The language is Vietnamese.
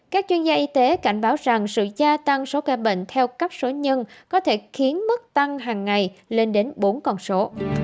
các chuyên gia y tế cảnh báo rằng sự gia tăng số ca bệnh theo cấp số nhân có thể khiến mức tăng hàng ngày lên đến bốn con số